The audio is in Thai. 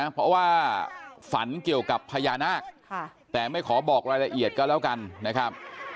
เพราะว่าฝันเกี่ยวกับพญานาคแต่ไม่ขอบอกรายละเอียดก็แล้วกันนะครับ